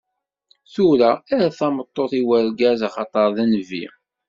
Tura, err tameṭṭut i wergaz, axaṭer d nnbi.